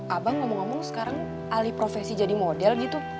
abang ngomong ngomong sekarang alih profesi jadi model gitu